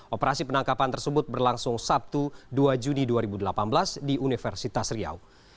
operasi penangkapan tersebut berlangsung sabtu dua juni dua ribu delapan belas di universitas riau